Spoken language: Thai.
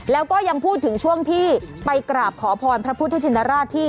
แล้วก็ยังพูดถึงช่วงที่ไปกราบขอพรพระพุทธชินราชที่